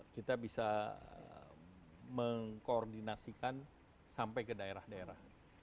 kita bisa mengkoordinasikan sampai ke daerah daerah